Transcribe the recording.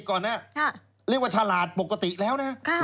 ๑๑๐ก่อนเรียกว่าชลาดปกติแล้ว